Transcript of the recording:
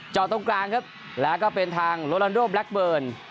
ตรงกลางครับแล้วก็เป็นทางโลลอนโดแบล็คเบิร์น